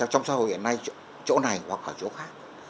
trong xã hội hiện nay chỗ này hoặc ở chỗ khác